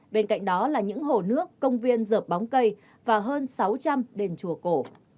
bên cạnh đó là những hồ nước công viên dợp bóng cây và hơn sáu trăm linh đền chùa cổ